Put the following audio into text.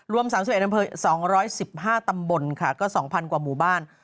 รวม๓๑อำเภอ๒๑๕ตำบลค่ะก็๒๐๐กว่าหมู่บ้าน